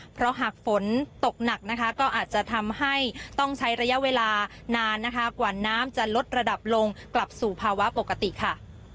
เพราะหากฝนตกหนักนะคะก็อาจจะทำให้ต้องใช้ระยะเวลานานนะคะกว่าน้ำจะลดระดับลงกลับสู่ภาวะปกติค่ะ